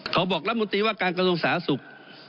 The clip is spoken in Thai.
เขาบอกละมุติว่าการกระดูกสาวสุข